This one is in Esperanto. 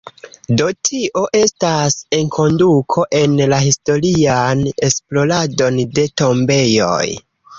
Do, tio estas enkonduko en la historian esploradon de tombejoj.